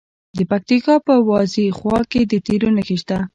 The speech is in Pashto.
د پکتیکا په وازیخوا کې د تیلو نښې شته.